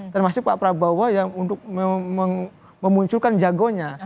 termasuk pak prabowo yang untuk memunculkan jagonya